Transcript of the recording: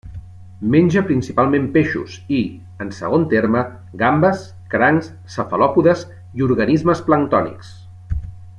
Menja principalment peixos, i, en segon terme, gambes, crancs, cefalòpodes i organismes planctònics.